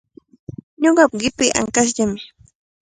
Ñuqapa qipiiqa ankashllami.